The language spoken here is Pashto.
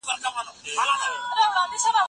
موږ بايد د سياست په اړه د علمي نظريو ګټه واخلي.